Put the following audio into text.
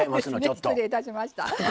失礼いたしました。